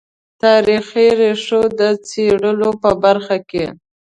تاریخي ریښو د څېړلو په برخه کې.